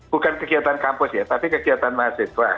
bukan kegiatan kampus ya tapi kegiatan mahasiswa